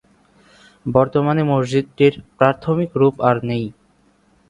বর্তমানে মসজিদটির প্রাথমিক রূপ আর নেই।